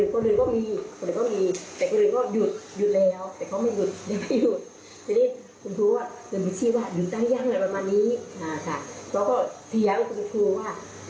แล้วก็เถียงคุณครูว่า